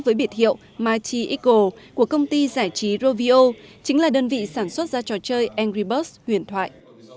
với biệt hiệu mighty eagle của công ty giải trí rovio chính là đơn vị sản xuất ra trò chơi angry birds huyền thoại